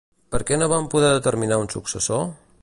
Per què no van poder determinar un successor?